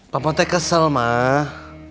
bapak teh kesel mak